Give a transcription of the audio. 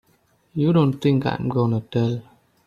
You don't think I'm gonna tell!